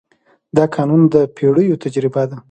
دا قانون د پېړیو تجربه ده.